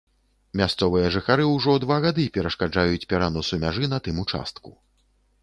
Мясцовыя жыхары ўжо два гады перашкаджаюць пераносу мяжы на тым участку.